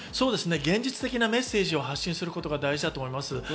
現実的なメッセージを発信することが大事だと思います。